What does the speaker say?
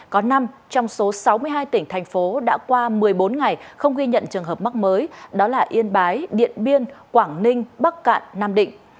có năm trong số sáu mươi hai tỉnh thành phố đã qua một mươi bốn ngày không ghi nhận trường hợp mắc mới đó là yên bái điện biên quảng ninh bắc cạn nam định